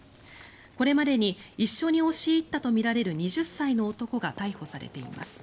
これまでに一緒に押し入ったとみられる２０歳の男が逮捕されています。